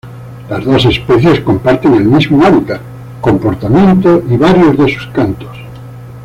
Las dos especies comparten el mismo hábitat, comportamiento y varios de sus cantos.